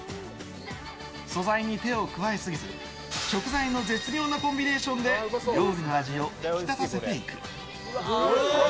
素材に手を加えすぎず食材の絶妙なコンビネーションで料理の味を引き立たせていく。